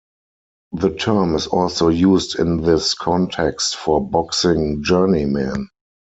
The term is also used in this context for boxing journeymen.